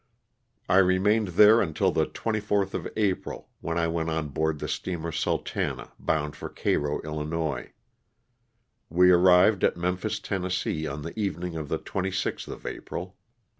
I remained there until the 24th of April, when I went on board the steamer '^Sultana'' bound for Cairo, 111. We arrived at Memphis, Tenn., on the evening of the 26th of April.